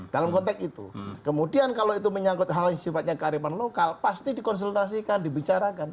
dalam konteks itu kemudian kalau itu menyangkut hal yang sifatnya kearifan lokal pasti dikonsultasikan dibicarakan